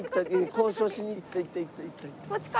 交渉しに行った行った行った。